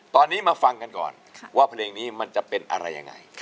ตอนนี้มาฟังกันก่อนว่าเพลงนี้มันจะเป็นอะไรยังไง